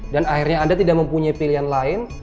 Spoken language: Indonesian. dan akhirnya anda tidak mempunyai pilihan lain